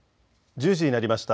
１０時になりました。